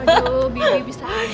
aduh bibi bisa aja